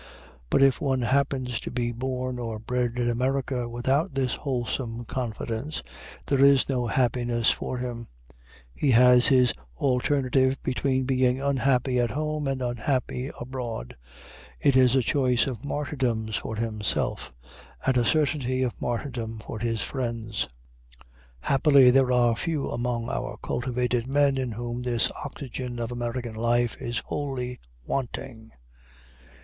But if one happens to be born or bred in America without this wholesome confidence, there is no happiness for him; he has his alternative between being unhappy at home and unhappy abroad; it is a choice of martyrdoms for himself, and a certainty of martyrdom for his friends. Happily, there are few among our cultivated men in whom this oxygen of American life is wholly wanting.